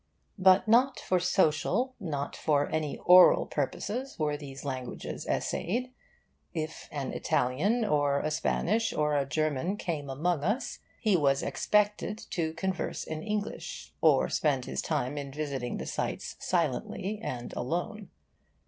But not for social, not for any oral purposes were these languages essayed. If an Italian or a Spanish or a German came among us he was expected to converse in English or spend his time in visiting the sights silently and alone.